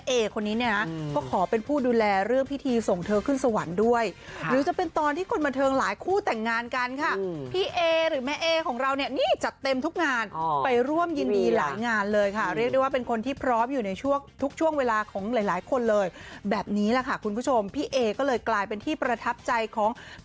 เอคนนี้เนี่ยนะก็ขอเป็นผู้ดูแลเรื่องพิธีส่งเธอขึ้นสวรรค์ด้วยหรือจะเป็นตอนที่คนบันเทิงหลายคู่แต่งงานกันค่ะพี่เอหรือแม่เอของเราเนี่ยนี่จัดเต็มทุกงานไปร่วมยินดีหลายงานเลยค่ะเรียกได้ว่าเป็นคนที่พร้อมอยู่ในช่วงทุกช่วงเวลาของหลายหลายคนเลยแบบนี้แหละค่ะคุณผู้ชมพี่เอก็เลยกลายเป็นที่ประทับใจของ